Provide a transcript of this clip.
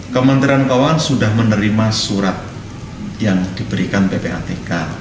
kementerian keuangan sudah menerima surat yang diberikan ppatk